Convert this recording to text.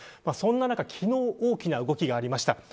そんな中、昨日大きな動きがありました。